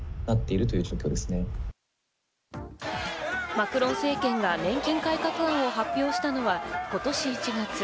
マクロン政権が年金改革案を発表したのは今年１月。